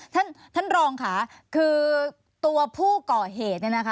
ท่านท่านรองค่ะคือตัวผู้ก่อเหตุเนี่ยนะคะ